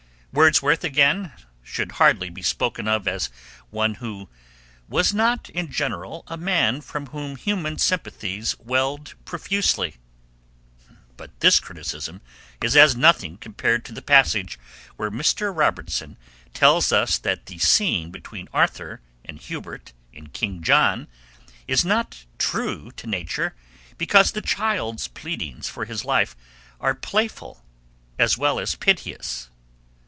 Wordsworth, again, should hardly be spoken of as one who 'was not, in the general, a man from whom human sympathies welled profusely,' but this criticism is as nothing compared to the passage where Mr. Robertson tells us that the scene between Arthur and Hubert in King John is not true to nature because the child's pleadings for his life are playful as well as piteous.